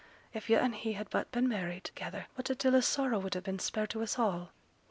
if yo' an' he had but been married together, what a deal o' sorrow would ha' been spared to us all!'